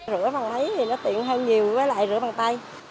rửa bằng lấy thì nó tiện hơn nhiều với lại rửa bằng tay